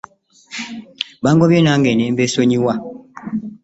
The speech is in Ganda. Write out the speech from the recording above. Bangobye nange ne mbeesonyiwa.